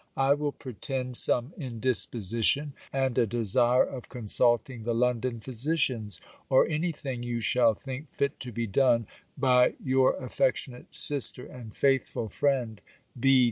I will pretend some indisposition, and a desire of consulting the London physicians; or any thing you shall think fit to be done, by your affectionate sister, and faithful friend, B.